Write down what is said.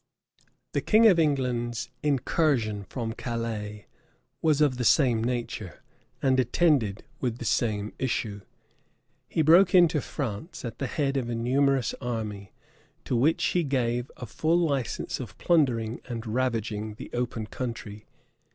The king of England's incursion from Calais was of the samme nature, and attended with the same issue. He broke into France at the head of a numerous army; to which he gave a full license of plundering and ravaging the open country.